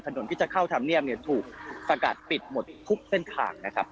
ถนนที่จะเข้าธรรมเนียบเนี่ยถูกสกัดปิดหมดทุกเส้นทางนะครับ